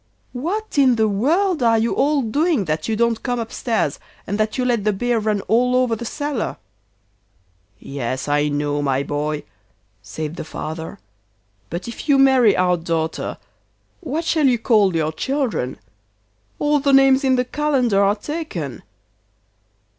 'What in the world are you all doing that you don't come upstairs, and that you let the beer run all over the cellar?' 'Yes, I know, my boy,' said the father, 'but if you marry our daughter what shall you call your children? All the names in the calendar are taken.